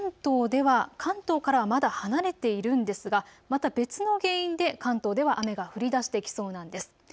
関東からはまだ離れているんですが、また別の原因で関東では雨が降りだしてきそうなんです。